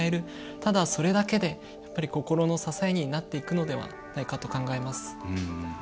ただそれだけで心の支えになっていくのではないかと考えます。